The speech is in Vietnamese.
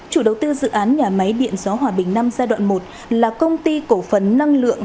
chủ đầu tư dự án nhà máy điện gió hòa bình năm giai đoạn một là công ty cổ phấn năng lượng